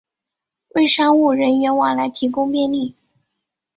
为商务人员往来提供便利